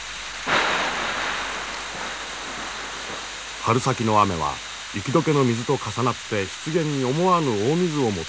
春先の雨は雪解けの水と重なって湿原に思わぬ大水をもたらす。